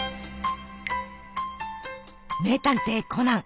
「名探偵コナン」。